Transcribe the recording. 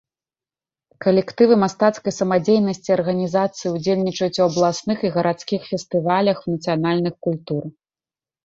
Калектывы мастацкай самадзейнасці арганізацыі ўдзельнічаюць у абласных і гарадскіх фестываляў нацыянальных культур.